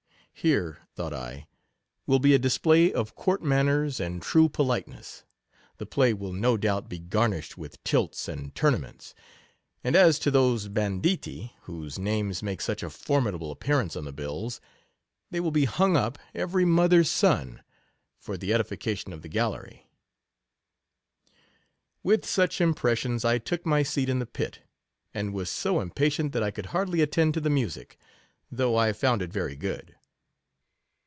Here, thought I, will be a dis play of court manners, and true politeness ; the play will, no doubt, be garnished with tilts and tournaments ; and as to those ban ditti, whose names make such a formidable appearance on the bills, they will be hung up, every mother's son, for the edification of the gallery With such impressions I took my seat in 9 the pit, and was so impatient that I could hardly attend to the music, though I found it very good.